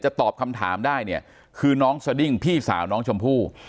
ตอบคำถามได้เนี่ยคือน้องสดิ้งพี่สาวน้องชมพู่